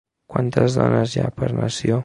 Quantes dones hi ha per ració?